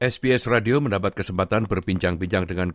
sps radio mendapat kesempatan berbincang bincang dengan